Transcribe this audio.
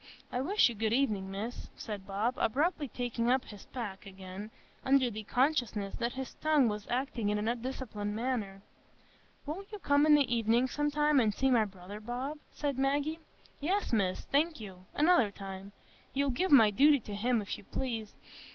I wish you good evenin', Miss," said Bob, abruptly taking up his pack again, under the consciousness that his tongue was acting in an undisciplined manner. "Won't you come in the evening some time, and see my brother, Bob?" said Maggie. "Yes, Miss, thank you—another time. You'll give my duty to him, if you please.